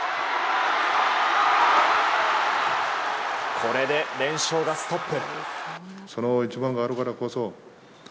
これで連勝がストップ。